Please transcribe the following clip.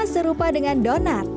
serupa dengan donat